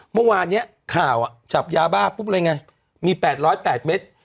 เมื่อวานเนี้ยข่าวอะจับยาบ้าปึ๊บอะไรไงมีแปดร้อยแปดเม็ด